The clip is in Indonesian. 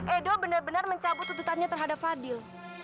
edo benar benar mencabut tuntutannya terhadap fadil